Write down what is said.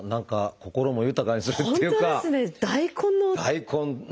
大根のね